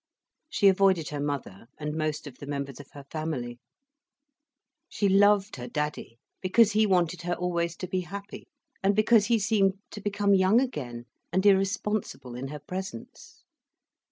She avoided her mother, and most of the members of her family. She loved her Daddy, because he wanted her always to be happy, and because he seemed to become young again, and irresponsible in her presence.